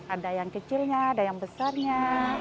ada yang kecilnya ada yang besarnya